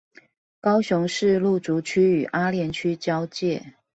高雄市路竹區與阿蓮區交界